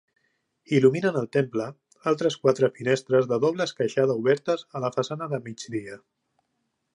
Il·luminen el temple altres quatre finestres de doble esqueixada obertes a la façana de migdia.